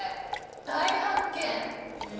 大発見。